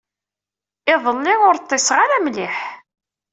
Iḍelli, ur ḍḍiseɣ ara mliḥ.